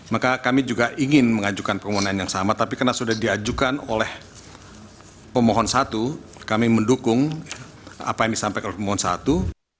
maka kami juga ingin mengajukan permohonan yang sama tapi karena sudah diajukan oleh pemohon satu kami mendukung apa yang disampaikan pemohon satu